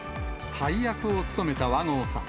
大役を務めた和合さん。